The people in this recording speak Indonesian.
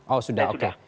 oh sudah oke